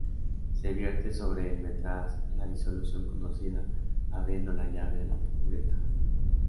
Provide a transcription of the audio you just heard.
Se vierte sobre el matraz la disolución conocida, abriendo la llave de la bureta.